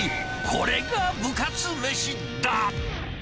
これが部活めしだ。